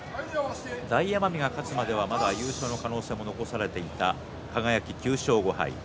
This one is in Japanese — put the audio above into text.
大奄美が勝つまではまだ優勝の可能性も残されていた輝、９勝５敗。